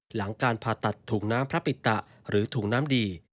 หลังการผ่าตัดถุงน้ำพระปิตะหรือถุงน้ำดี